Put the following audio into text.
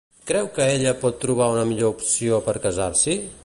Creu que ella pot trobar una millor opció per casar-s'hi?